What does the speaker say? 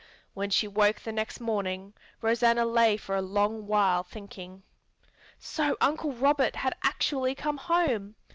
When she woke the next morning, Rosanna lay for a long while thinking. So Uncle Robert had actually come home!